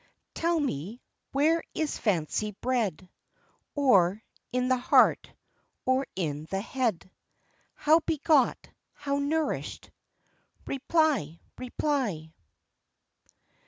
"Tell me where is fancy bred, Or in the heart, or in the head? How begot, how nourished? Reply, reply."